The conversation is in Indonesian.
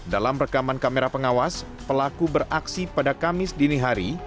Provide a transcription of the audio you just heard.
dalam rekaman kamera pengawas pelaku beraksi pada kamis dini hari